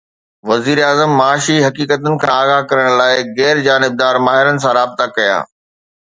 وزيراعظم معاشي حقيقتن کان آگاهه ڪرڻ لاءِ غير جانبدار ماهرن سان رابطا ڪيا